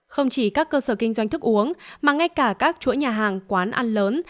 không chỉ các cơ sở kinh doanh thức uống mà ngay cả các chuỗi nhà hàng quán ăn lớn